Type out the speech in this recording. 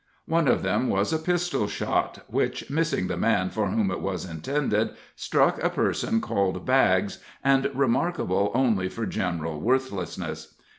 One of them was a pistol shot, which, missing the man for whom it was intended, struck a person called Baggs, and remarkable only for general worthlessness.